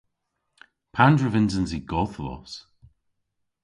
Pandr'a vynsens i godhvos?